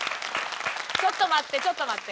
ちょっと待ってちょっと待って。